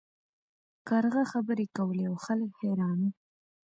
کارغه خبرې کولې او خلک حیران وو.